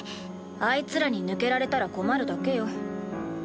あいつらに抜けられたら困るだけよ。